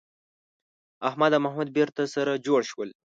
احمد او محمود بېرته سره جوړ شول